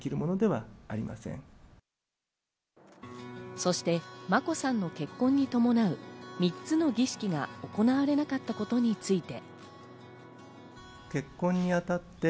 そして眞子さんの結婚に伴う、三つの儀式が行われなかったことについて。